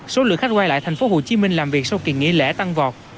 số lượng khách quay lại tp hcm làm việc sau kỳ nghỉ lễ tăng vọt